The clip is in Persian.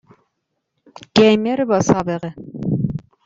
گیمر با سابقه